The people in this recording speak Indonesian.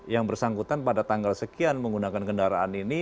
yang bersangkutan pada tanggal sekian menggunakan kendaraan ini